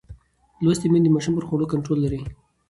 لوستې میندې د ماشوم پر خوړو کنټرول لري.